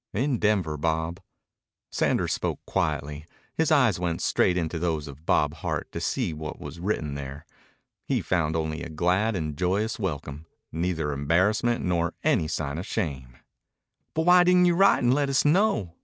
"In Denver, Bob." Sanders spoke quietly. His eyes went straight into those of Bob Hart to see what was written there. He found only a glad and joyous welcome, neither embarrassment nor any sign of shame. "But why didn't you write and let us know?"